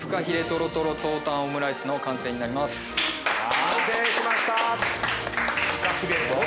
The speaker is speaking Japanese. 完成しました！